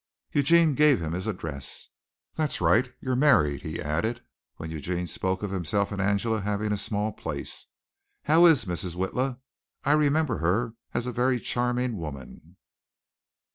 Eugene gave him his address. "That's right, you're married," he added, when Eugene spoke of himself and Angela having a small place. "How is Mrs. Witla? I remember her as a very charming woman.